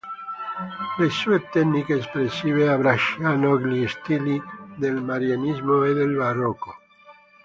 Le sue tecniche espressive abbracciano gli stili del Manierismo e del Barocco.